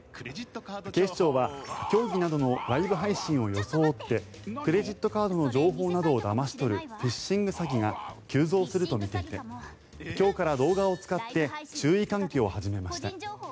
警視庁は競技などのライブ配信を装ってクレジットカードの情報をだまし取るフィッシング詐欺が急増するとみていて今日から動画を使って注意喚起を始めました。